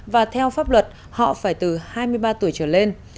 và theo pháp luật họ phải từ hai mươi ba tuổi trở lên